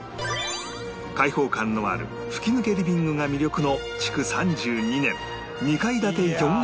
開放感のある吹き抜けリビングが魅力の築３２年２階建て ４ＬＤＫ